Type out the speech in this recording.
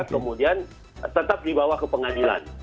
kemudian tetap dibawa ke pengadilan